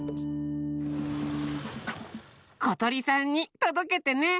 ことりさんにとどけてね！